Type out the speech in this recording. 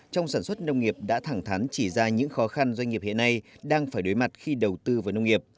trong sản xuất nông nghiệp đã thẳng thắn chỉ ra những khó khăn doanh nghiệp hiện nay đang phải đối mặt khi đầu tư vào nông nghiệp